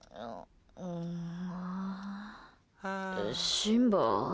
シンバ？